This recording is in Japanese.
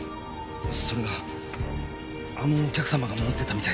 それがあのお客様が持ってたみたいで。